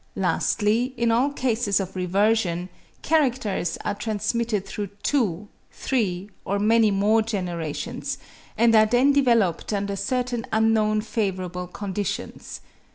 Lastly, in all cases of reversion, characters are transmitted through two, three, or many more generations, and are then developed under certain unknown favourable conditions.